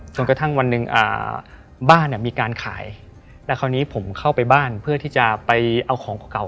จนกระทั่งวันนึงบ้านมีการขายแล้วเขาผมเข้าไปบ้านเพื่อเอาของก่อนออกมา